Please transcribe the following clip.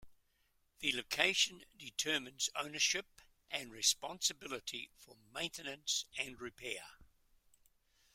The location determines ownership and responsibility for maintenance and repair.